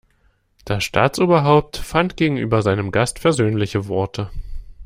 Das Staatsoberhaupt fand gegenüber seinem Gast versöhnliche Worte.